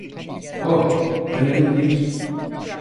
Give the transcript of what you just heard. Oh, önemli değil.